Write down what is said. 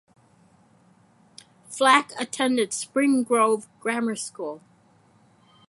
Flack attended Spring Grove Grammar School.